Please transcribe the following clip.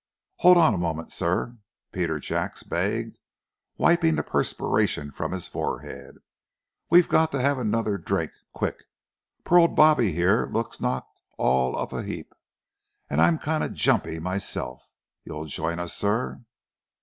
"Hold on for a moment, sir," Peter Jacks begged, wiping the perspiration from his forehead. "We've got to have another drink quick. Poor old Bobby here looks knocked all of a heap, and I'm kind of jumpy myself. You'll join us, sir?"